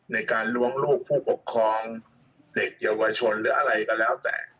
ในการล้วงลูกผู้ปกครองเด็กเยาวชนหรืออะไรก็แล้วแต่